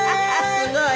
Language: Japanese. すごい。